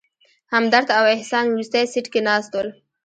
همدرد او احسان وروستي سیټ کې ناست ول.